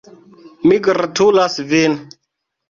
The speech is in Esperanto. Mi gratulas vin!